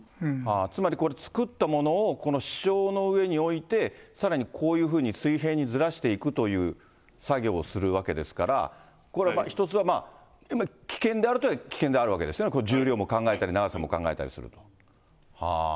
つまりこれ、作ったものをこの支承の上に置いて、さらにこういうふうに水平にずらしていくという作業をするわけですから、これ一つは、危険であるというのは危険であるわけですね、重量も考えたり、長さも考えたりすると。